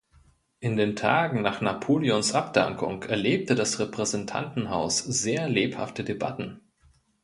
In den Tagen nach Napoleons Abdankung erlebte das Repräsentantenhaus sehr lebhafte Debatten.